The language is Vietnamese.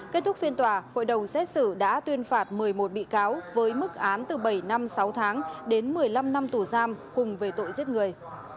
kết thúc phiên tòa hội đồng xét xử đã tuyên phạt một mươi một bị cáo với mức án từ bảy năm sáu tháng đến một mươi năm năm tù giam cùng về tội giết người